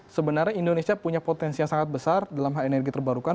sebenarnya indonesia punya potensi yang sangat besar dalam hal energi terbarukan